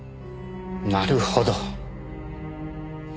なるほど。